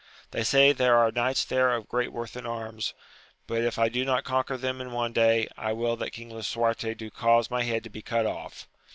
They say there are knights there of great worth in arms, but tf I do not conquer them in one day, I will that King Lisuarte do cause my head to be cut off